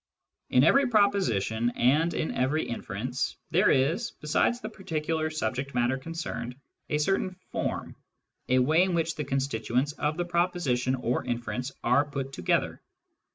In every proposition and in every inference there is, ' besides the particular subject matter concerned, a certain formy a way in which the constituents of the proposition or , inference are put together.